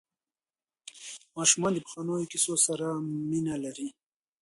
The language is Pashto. ماشومان د پخوانیو کیسو سره مینه لري.